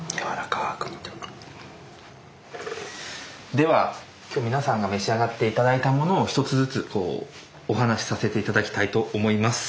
では今日皆さんが召し上がって頂いたものを一つずつこうお話しさせて頂きたいと思います。